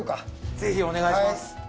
ぜひお願いします！